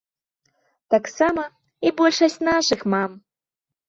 Таксама і большасць нашых мам.